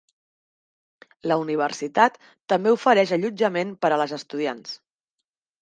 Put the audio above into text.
La universitat també ofereix allotjament per a les estudiants.